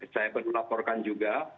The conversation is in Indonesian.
saya perlu laporkan juga